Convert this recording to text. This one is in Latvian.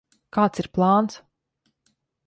Kāds ir plāns?